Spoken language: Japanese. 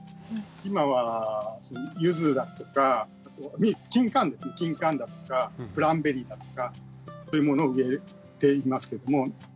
今はユズだとかキンカンだとかグランベリーだとかそういうものを植えていますけども。